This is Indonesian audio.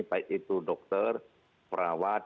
baik itu dokter perawat